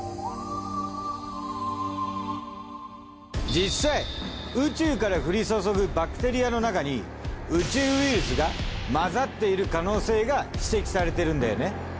実際宇宙から降り注ぐバクテリアの中に宇宙ウイルスが混ざっている可能性が指摘されてるんだよね。